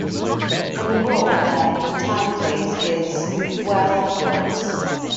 And the role that The Time plays is, well, crooks.